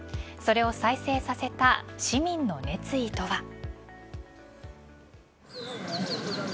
それを再生させた市民の熱意とは。